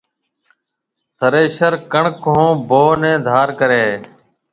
ٿريشر ڪڻڪ هون ڀوه نَي ڌار ڪريَ هيَ۔